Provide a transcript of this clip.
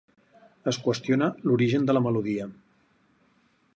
Es qüestiona l'origen de la melodia.